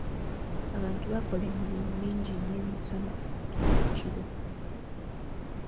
Abantu bakola emirimu mingi nnyo emisana n'ekiro.